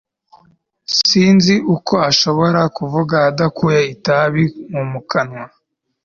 sinzi uko ashobora kuvuga adakuye itabi mu kanwa